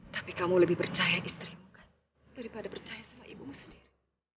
tapi kamu lebih percaya istrimu kan daripada percaya sama ibumu sendiri